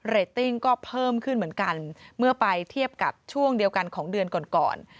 ตติ้งก็เพิ่มขึ้นเหมือนกันเมื่อไปเทียบกับช่วงเดียวกันของเดือนก่อนก่อน